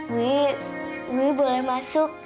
we boleh masuk